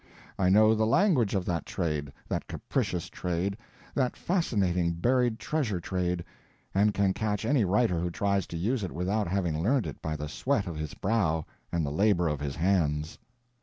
I know the language of that trade, that capricious trade, that fascinating buried treasure trade, and can catch any writer who tries to use it without having learned it by the sweat of his brow and the labor of his hands.